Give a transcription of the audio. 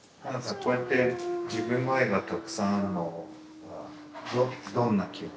こうやって自分の絵がたくさんあるのどんな気持ち？